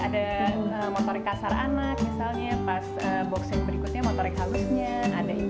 ada motorik kasar anak misalnya pas box yang berikutnya motorik halusnya